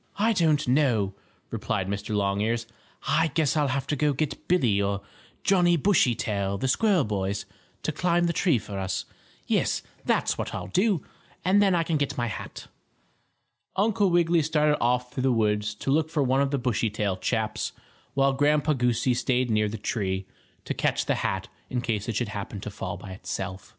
"I don't know," replied Mr. Longears. "I guess I'll have to go get Billie or Johnnie Bushytail, the squirrel boys, to climb the tree for us. Yes, that's what I'll do; and then I can get my hat." Uncle Wiggily started off through the woods to look for one of the Bushytail chaps, while Grandpa Goosey stayed near the tree, to catch the hat in case it should happen to fall by itself.